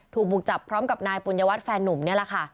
ถูกบุกจับพร้อมกับนายปุญญวัตรแฟนนุ่มนี่แหละค่ะ